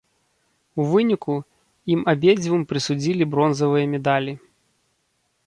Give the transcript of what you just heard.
У выніку ім абедзвюм прысудзілі бронзавыя медалі.